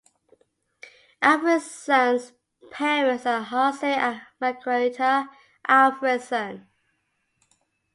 Alfredsson's parents are Hasse and Margareta Alfredsson.